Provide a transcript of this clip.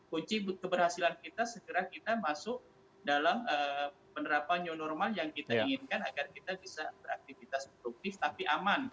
kunci keberhasilan kita segera kita masuk dalam penerapan new normal yang kita inginkan agar kita bisa beraktivitas produktif tapi aman